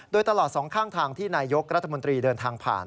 โดยตลอดสองข้างทางที่นายยกรัฐมนตรีเดินทางผ่าน